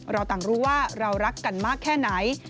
เราต่างรู้ว่าเรารักกันมากแค่ไหน